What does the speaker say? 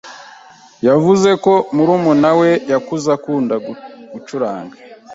yavuze ko murumuna we yakuze akunda gucuranga